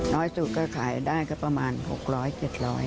น้อยสุดก็ขายได้ก็ประมาณ๖๐๐๗๐๐บาท